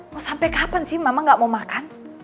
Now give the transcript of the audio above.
mau sampai kapan sih mama gak mau makan